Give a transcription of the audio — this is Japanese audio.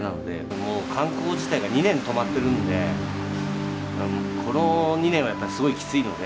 もう観光自体が２年止まってるんでこの２年はやっぱりすごいきついので。